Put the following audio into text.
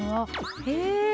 へえ。